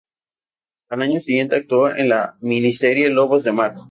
Al año siguiente actuó en la miniserie "Lobos de Mar".